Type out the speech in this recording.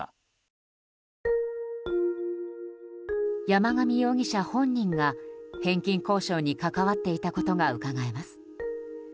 山上容疑者本人が返金交渉に関わっていたことがうかがえます。